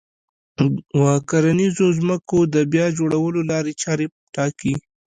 و کرنيزو ځمکو د بيا جوړولو لارې چارې ټاکي